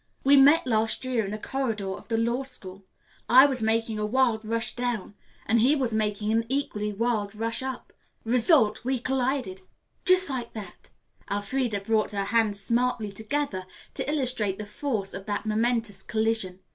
"We met last year in a corridor of the law school, I was making a wild rush down and he was making an equally wild rush up. Result, we collided. Just like that," Elfreda brought her hands smartly together to illustrate the force of that momentous collision.